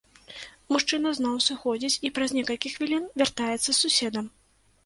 Мужчына зноў сыходзіць і праз некалькі хвілін вяртаецца з суседам.